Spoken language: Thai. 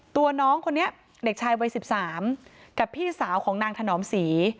ตัวน้องคนนี้เด็กชายวัย๑๓กับพี่สาวของนางถนอมศรี